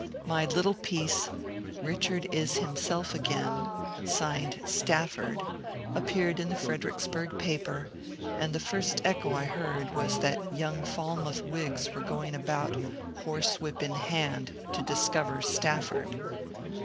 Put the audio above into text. My little piece, ^'Richard is himself again," signed ^^ Stafford," appeared in the Fredericksburg paper, and the first echo I heard was that young Falmouth Whigs were going about, horsewhip in hand, to discover ^^ Stafford."